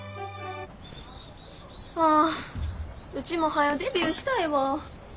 あウチもはよデビューしたいわ。